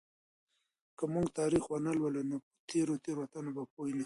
که موږ تاریخ ونه لولو نو په تېرو تېروتنو به پوه نسو.